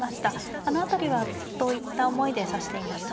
あの辺りはどういった思いで指していましたか。